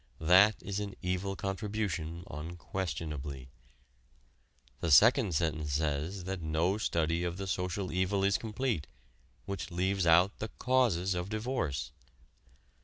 That is an evil contribution, unquestionably. The second sentence says that no study of the social evil is complete which leaves out the causes of divorce.